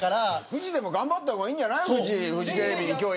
フジでも頑張った方がいいんじゃない。